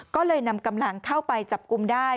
ก็เลยนำกำลังเข้าไปจับกลุ่มได้